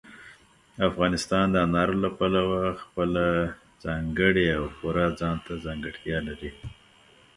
افغانستان د انارو له پلوه خپله ځانګړې او پوره ځانته ځانګړتیا لري.